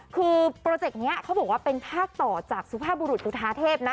คือโปรเจกต์นี้เขาบอกว่าเป็นภาคต่อจากสุภาพบุรุษจุธาเทพนะ